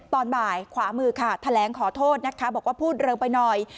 ตอนบ่ายขวามือค่ะแถลงขอโทษนะคะบอกว่าพูดเร็วไปหน่อย